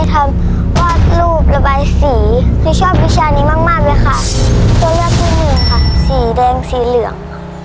ตัวเลือกที่หนึ่งสีแดงสีเหลือง